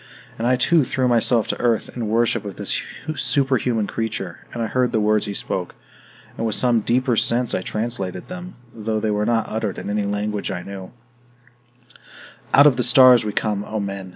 And I too threw myself to earth, in worship of this superhuman creature; and I heard the words he spoke, and with some deeper sense I translated them, though they were not uttered in any language I knew: "Out of the stars we come, O men!